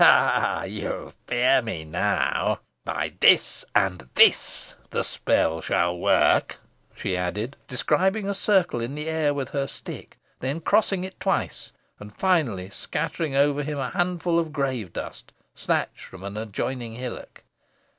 "Ha! ha! you fear me now," she cried. "By this, and this, the spell shall work," she added, describing a circle in the air with her stick, then crossing it twice, and finally scattering over him a handful of grave dust, snatched from an adjoining hillock.